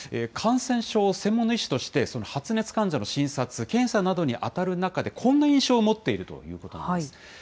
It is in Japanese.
感染症専門の医師として、発熱患者の診察、検査などに当たる中で、こんな印象を持っているということなんです。